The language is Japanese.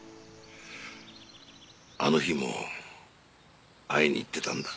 あの日も会いに行ってたんだ。